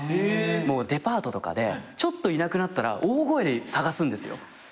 もうデパートとかでちょっといなくなったら大声で捜すんですよ。